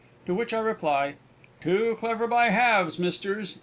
To which I reply: Too clever by halves, Misters!